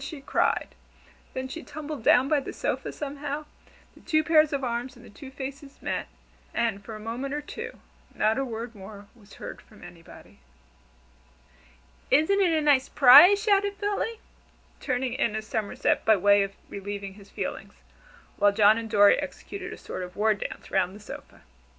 she cried. Then she tumbled down by the sofa somehow, the two pairs of arms and the two faces met, and for a moment or two not a word more was heard from anybody. "Isn't a nice 'prise?" shouted Philly, turning a somerset by way of relieving his feelings, while John and Dorry executed a sort of war dance round the sofa.